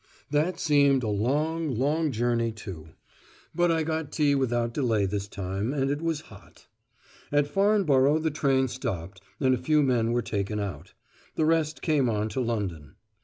That seemed a long, long journey too; but I got tea without delay this time, and it was hot. At Farnborough the train stopped and a few men were taken out. The rest came on to London.